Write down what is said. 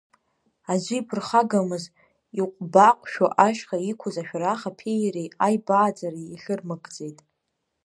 Аӡәы иԥырхагамыз, иҟәбаҟәшәо ашьха иқәыз ашәарах, аԥеи иареи аибааӡара иахьырмыгӡеит…